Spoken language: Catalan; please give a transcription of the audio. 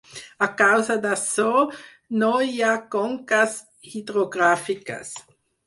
A causa d'açò, no hi ha conques hidrogràfiques.